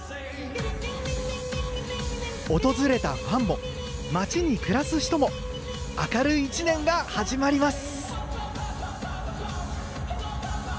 訪れたファンも町に暮らす人も明るい一年が始まります。